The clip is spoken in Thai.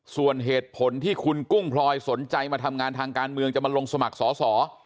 ส่วนเหตุผลที่คุณกุ้งพลอยสนใจมาทำงานทางการเมืองจะมาลงสมัครสอสอ